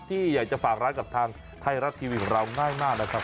ที่อยากจะฝากร้านกับทางไทยรัฐทีวีของเราง่ายมากนะครับ